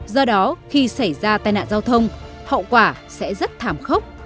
do đó khi xảy ra tai nạn giao thông hậu quả sẽ rất thảm khốc